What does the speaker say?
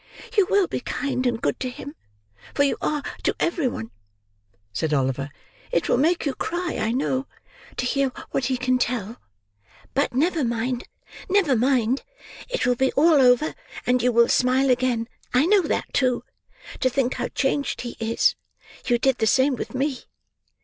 "You will be kind and good to him, for you are to every one," said Oliver. "It will make you cry, I know, to hear what he can tell; but never mind, never mind, it will be all over, and you will smile again—I know that too—to think how changed he is; you did the same with me.